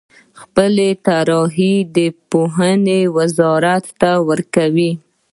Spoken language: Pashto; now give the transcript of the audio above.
خپلې طرحې د پوهنې وزارت ته ورکوي.